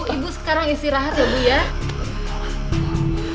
ibu sekarang istirahat ya bu ya